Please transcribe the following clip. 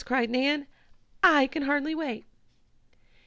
cried Nan. "I can hardly wait!"